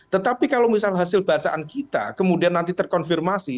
tetapi kalau misal hasil bacaan kita kemudian nanti terkonfirmasi